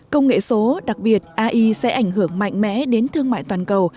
công nghệ số đặc biệt ai sẽ ảnh hưởng mạnh mẽ đến thương mại toàn cầu